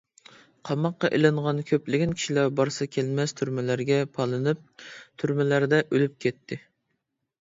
قاماققا ئېلىنغان كۆپلىگەن كىشىلەر بارسا كەلمەس تۈرمىلەرگە پالىنىپ ، تۈرمىلەردە ئۆلۈپ كەتتى .